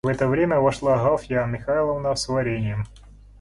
В это время вошла Агафья Михайловна с вареньем.